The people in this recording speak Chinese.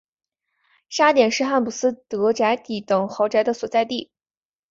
沙点是汉普斯德宅邸等豪宅的所在地。